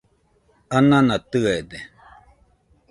anana tɨede